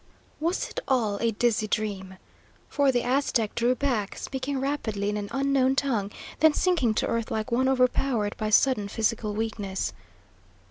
Was it all a dizzy dream? For the Aztec drew back, speaking rapidly in an unknown tongue, then sinking to earth like one overpowered by sudden physical weakness.